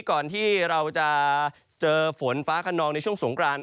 ก่อนที่เราจะเจอฝนฟ้าขนองในช่วงสงกราน